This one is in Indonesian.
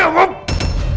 aku transfer buat mateo